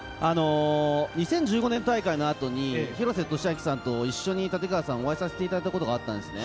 ２０１５年大会の後に廣瀬俊朗さんと一緒に立川さん、お会いさせていただいたことがあったんです。